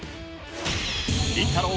［りんたろー。